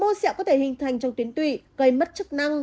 mô sẹo có thể hình thành trong tuyến tụy gây mất chức năng